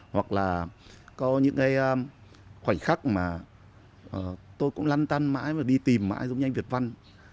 hoặc là có những cái khoảnh khắc mà tôi cũng lăn tăn mãi và đi tìm mãi giống như anh việt văn